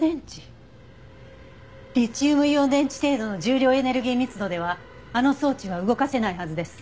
リチウムイオン電池程度の重量エネルギー密度ではあの装置は動かせないはずです。